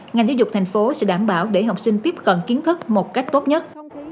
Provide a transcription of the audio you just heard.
ngành giáo dục thành phố sẽ đảm bảo để học sinh tiếp cận kiến thức một cách tốt nhất